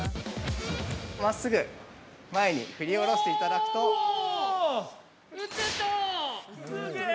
まっすぐ前に振りおろしていただくと◆うおっ！